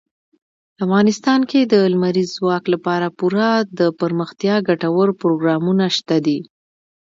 افغانستان کې د لمریز ځواک لپاره پوره دپرمختیا ګټور پروګرامونه شته دي.